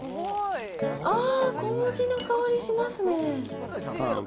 あー、小麦の香りしますね。